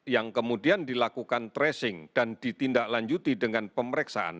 yang kemudian dilakukan tracing dan ditindaklanjuti dengan pemeriksaan